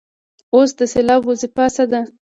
اوس د سېلاب وظیفه څه ده.